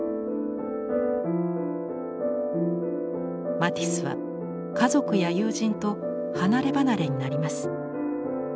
マティスは家族や友人と離れ離れになります。